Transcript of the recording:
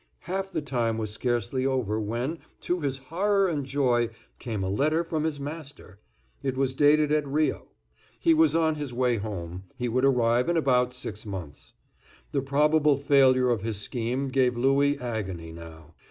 Half the time was scarcely over when, to his horror and joy, came a letter from his master. It was dated at Rio. He was on his way home; he would arrive in about six months. The probable failure of his scheme gave Louis agony now.